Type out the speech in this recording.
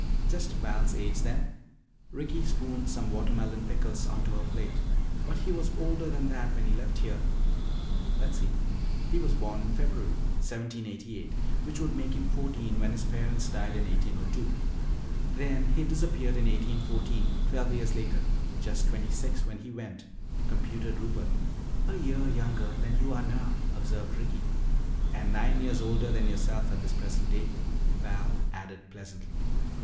'" "Just Val's age, then." Ricky spooned some watermelon pickles onto her plate. "But he was older than that when he left here." "Let's see. He was born in February, 1788, which would make him fourteen when his parents died in 1802. Then he disappeared in 1814, twelve years later. Just twenty six when he went," computed Rupert. "A year younger than you are now," observed Ricky. "And nine years older than yourself at this present date," Val added pleasantly.